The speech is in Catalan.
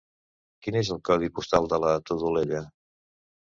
Quin és el codi postal de la Todolella?